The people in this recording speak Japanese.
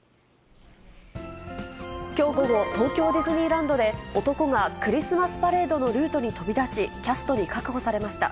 きょう午後、東京ディズニーランドで、男がクリスマスパレードのルートに飛び出し、キャストに確保されました。